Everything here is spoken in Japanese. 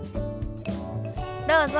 どうぞ。